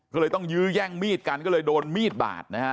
ก็เลยต้องยื้อแย่งมีดกันก็เลยโดนมีดบาดนะฮะ